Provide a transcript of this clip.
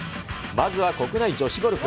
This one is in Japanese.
まずは国内女子ゴルフ。